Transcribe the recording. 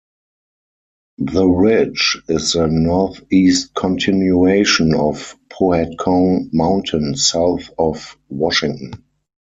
The ridge is the northeast continuation of Pohatcong Mountain south of Washington.